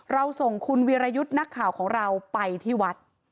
เราส่งคุณวิรยุทธ์นักข่าวของเราไปที่วัด